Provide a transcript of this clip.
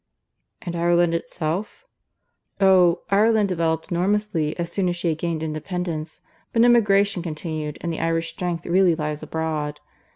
"And Ireland itself?" "Oh! Ireland developed enormously as soon as she had gained independence, but emigration continued, and the Irish strength really lies abroad.